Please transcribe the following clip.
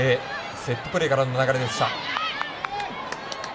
セットプレーからの流れでした。